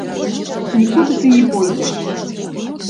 Нікуды ты не пойдзеш.